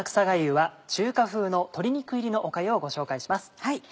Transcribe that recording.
がゆは中華風の鶏肉入りのおかゆをご紹介します。